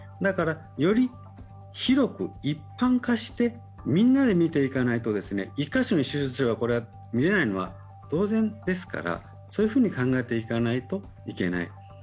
より広く、一般化してみんなで診ていかないと１カ所に集中すれば診られないのは当然ですからそういうふうに考えていかないといけない。